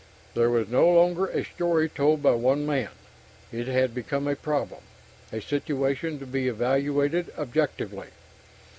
This was no longer a story told by one man; it had become a problem, a situation to be evaluated objectively.